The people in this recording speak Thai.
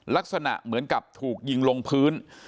ลักษณะเหมือนกับถูกยิงลงพื้น